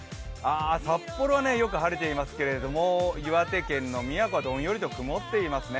札幌はよく晴れていますけど岩手県の宮古はどんよりとしていますね。